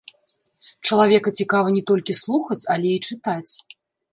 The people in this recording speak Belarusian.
Чалавека цікава не толькі слухаць, але і чытаць.